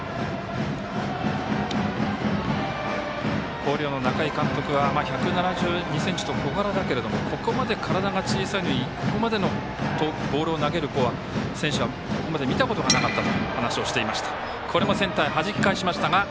広陵の中井監督は１７２ｃｍと体は小柄だけれどもここまで体が小さいのにここまでのボールを投げる選手はここまで見たことがなかったと話をしていました。